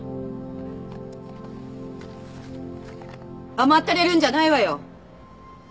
甘ったれるんじゃないわよ！